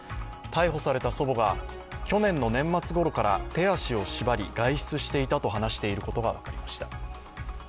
逮捕された祖母が去年の年末ごろから手足を縛り、外出していたと話していることが分かりました。